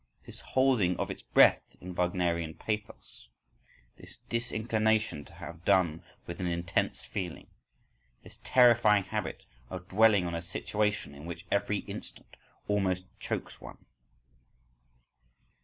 This holding of its breath in Wagnerian pathos, this disinclination to have done with an intense feeling, this terrifying habit of dwelling on a situation in which every instant almost chokes one.